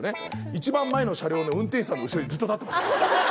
一番前の車両の運転士さんの後ろずっと立ってました。